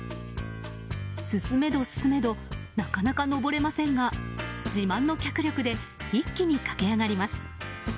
進めど進めどなかなか上れませんが自慢の脚力で一気に駆け上がります。